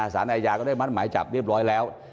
สารอาญาก็ได้มัดหมายจับเรียบร้อยแล้ว